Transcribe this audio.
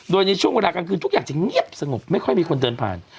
โดยในช่วงเวลากลางคืนทุกอย่างจะเงียบสงบไม่ค่อยมีคนเดินผ่าน